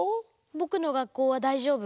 ぼくのがっこうはだいじょうぶ。